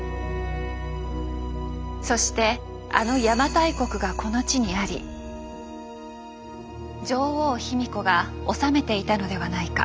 そしてあの「邪馬台国」がこの地にあり女王・卑弥呼が治めていたのではないか。